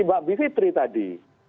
mbak bivitri tadi